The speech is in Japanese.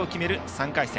３回戦。